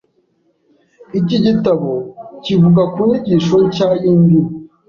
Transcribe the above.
Iki gitabo kivuga ku nyigisho nshya y’indimi.